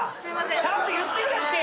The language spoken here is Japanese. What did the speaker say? ちゃんと言ってくれって。